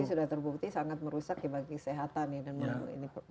polusi sudah terbukti sangat merusak dibagi kesehatan